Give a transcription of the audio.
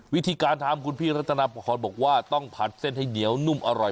วิธีการทำคุณพี่รัฐนาประคอนบอกว่าต้องผัดเส้นให้เหนียวนุ่มอร่อย